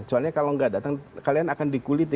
soalnya kalau nggak datang kalian akan dikuliti